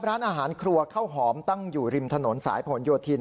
ร้านอาหารครัวข้าวหอมตั้งอยู่ริมถนนสายผลโยธิน